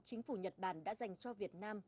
chính phủ nhật bản đã dành cho việt nam